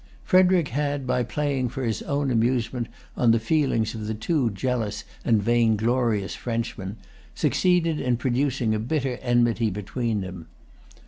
Frederic had, by playing for his own amusement on the feelings of the two jealous and vainglorious Frenchmen, succeeded in producing a bitter enmity between them.